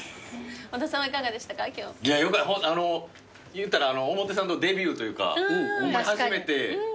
言うたら表参道デビューというか初めてなんで。